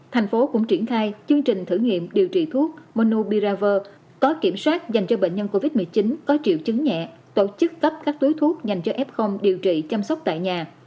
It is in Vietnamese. thành phố cũng triển khai chương trình thử nghiệm điều trị thuốc monobiraver có kiểm soát dành cho bệnh nhân covid một mươi chín có triệu chứng nhẹ tổ chức cấp các túi thuốc dành cho f điều trị chăm sóc tại nhà